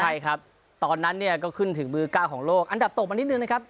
ใช่ครับตอนนั้นเนี่ยก็ขึ้นถึงมือ๙ของโลกอันดับตกมานิดนึงนะครับ